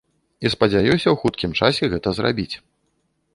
І спадзяюся ў хуткім часе гэта зрабіць.